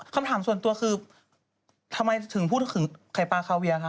คำถามส่วนตัวคือทำไมถึงพูดถึงไข่ปลาคาเวียคะ